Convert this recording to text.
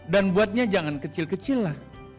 dan buatnya jangan kecil kecil lah